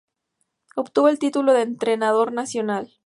Obtuvo el título de entrenador nacional.